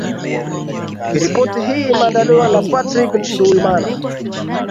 Ripoti hii imeandaliwa na Patrick Nduwimana